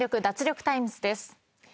脱力タイムズ』です。